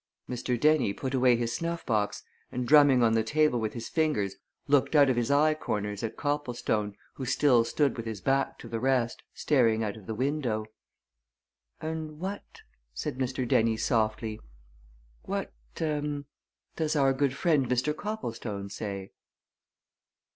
Mr. Dennie put away his snuff box and drumming on the table with his fingers looked out of his eye corners at Copplestone who still stood with his back to the rest, staring out of the window. "And what," said Mr. Dennie, softly, "what er, does our good friend Mr. Copplestone say?"